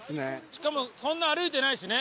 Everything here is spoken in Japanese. しかもそんな歩いてないしね。